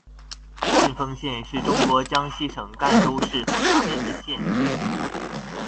信丰县是中国江西省赣州市所辖的一个县。